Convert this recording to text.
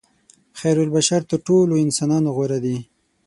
خیرالبشر تر ټولو انسانانو غوره دي.